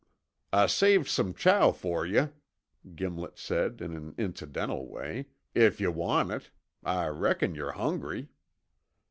"I saved some chow fer yuh," Gimlet said in an incidental way, "if yuh want it. I reckon yore hungry."